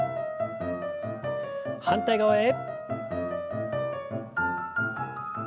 反対側へ。